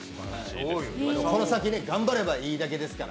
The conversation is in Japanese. この先、頑張ればいいだけですから。